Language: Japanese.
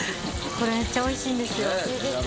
これめっちゃおいしいんですよ。